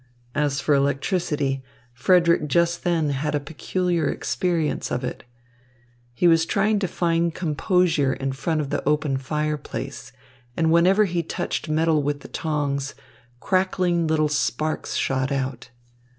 As for electricity, Frederick just then had a peculiar experience of it. He was trying to find composure in front of the open fireplace; and whenever he touched metal with the tongs, crackling little sparks shot out.